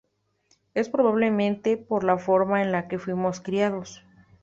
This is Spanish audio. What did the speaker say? Es probablemente por la forma en la que fuimos criados.